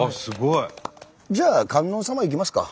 じゃあ観音様行きますか。